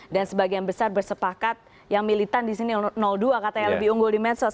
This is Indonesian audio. dan sebagian besar bersepakat yang militan di sini dua katanya lebih unggul di medsos